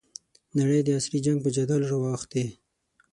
نړۍ د عصري جنګ په جدل رااوښتې.